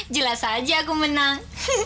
jelas aja aku menang